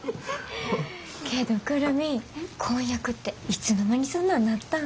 けど久留美婚約っていつの間にそんなんなったん？